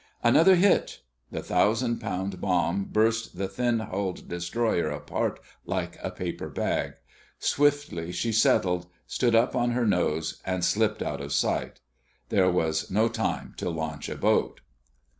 Another hit! The thousand pound bomb burst the thin hulled destroyer apart like a paper bag. Swiftly she settled, stood up on her nose, and slipped out of sight. There was no time to launch a boat.